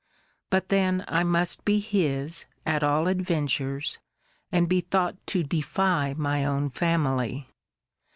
But then I must be his, at all adventures, and be thought to defy my own family.